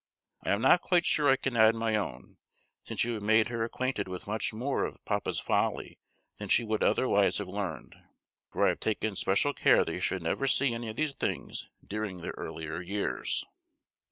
I am not quite sure I can add my own, since you have made her acquainted with much more of papa's folly than she would otherwise have learned; for I have taken special care they should never see any of these things during their earlier years."